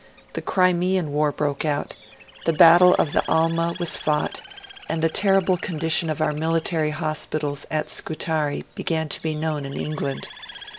The Crimean War broke out; the battle of the Alma was fought; and the terrible condition of our military hospitals at Scutari began to be known in England.